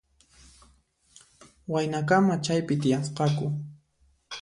Waynakama chaypi tiyasqaku.